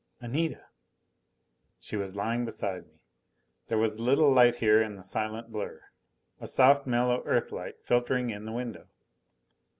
Anita She was lying beside me. There was a little light here in the silent blur a soft mellow Earthlight filtering in the window.